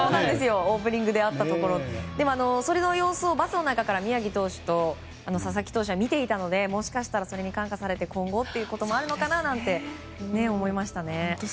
それの様子をバスの中から宮城投手と佐々木投手は見ていたのでもしかしたらそれに感化されて今後ということも、あるのかもしれないなと思いました。